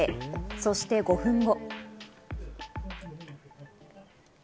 そして５分後。